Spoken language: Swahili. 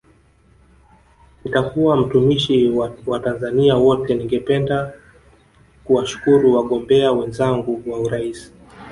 Nitakuwa mtumishi wa Watanzania wote Ningependa kuwashukuru wagombea wenzangu wa urais